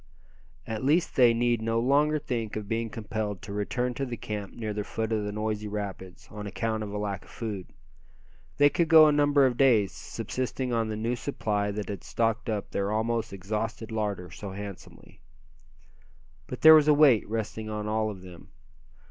At least they need no longer think of being compelled to return to the camp near the foot of the noisy rapids, on account of a lack of food. They could go a number of days, subsisting on the new supply that had stocked up their almost exhausted larder so handsomely. But there was a weight resting on all of them.